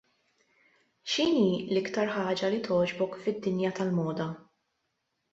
X'inhi l-iktar ħaġa li togħġbok fid-dinja tal-moda?